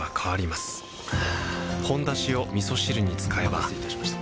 「ほんだし」をみそ汁に使えばお待たせいたしました。